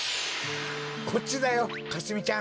こっちだよかすみちゃん。